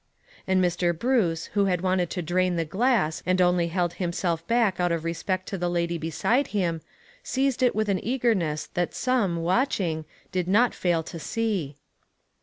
And Mr. Bruce, who had wanted to drain the glass and only held himself back out of respect to the lady beside him, seized it with an eagerness that some, watching, did not fail to see.